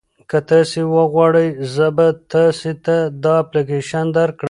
که تاسي وغواړئ زه به تاسي ته دا اپلیکیشن درکړم.